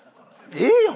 ええやん！